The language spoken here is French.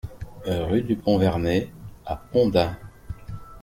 Rue du Vernay à Pont-d'Ain